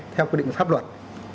theo quy định pháp luật